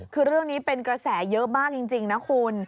คือเรื่องนี้เป็นกระแสเยอะมากจริงนะคุณ